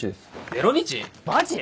ゼロ日⁉マジ⁉